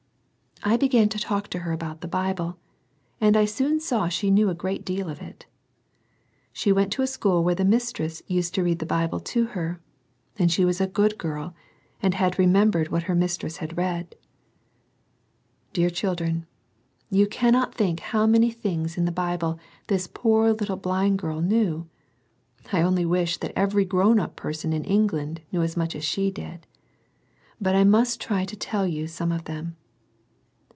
I began to talk to her about the Bible, I soon saw she knew a great deal of it. went to a school where the mistress used read the Bible to her; and she was a good ^' and had remembered what her mistress read. THE HAPPY LITTLE GIRL. 85 Dear chfldren, you cannot think how many things in the Bible this poor little blind girl knew. I only wish that every grown up person in England knew as much as she did. But I must try and tell you some of them.